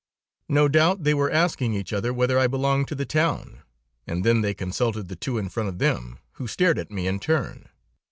No doubt they were asking each other whether I belonged to the town, and then they consulted the two in front of them, who stared at me in turn.